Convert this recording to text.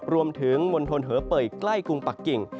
รวมถึงมลธนเผยใกล้กรุงปะกิ่ง